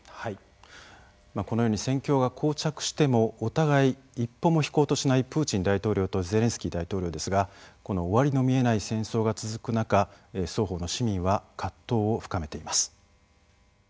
このように戦況がこう着しても、お互い一歩も引こうとしないプーチン大統領とゼレンスキー大統領ですが終わりの見えない戦争が続く中双方の市民は葛藤を深めています。